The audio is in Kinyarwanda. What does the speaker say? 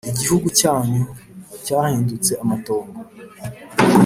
Igihugu cyanyu cyahindutse amatongo,